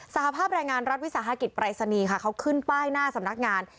หภาพแรงงานรัฐวิสาหกิจปรายศนีย์ค่ะเขาขึ้นป้ายหน้าสำนักงาน